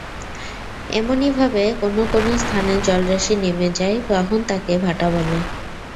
এমনইভাবে কোনো কোনো স্থানের জলরাশি নেমে যায়, তখন তাকে ভাটা বলে।